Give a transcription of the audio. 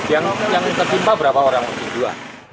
yang terjumpa berapa orang dua